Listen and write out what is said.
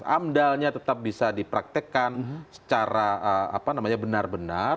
amdalnya tetap bisa dipraktekkan secara apa namanya benar benar